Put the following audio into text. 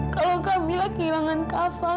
kalau kamila kehilangan kak fad